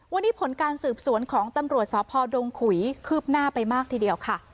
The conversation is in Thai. วันนี้ผลการสืบสวนของตำรวจสพดงขุยคืบหน้าไปมากทีเดียวค่ะ